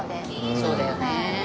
そうだよね。